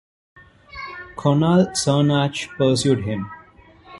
Conall Cernach pursued him.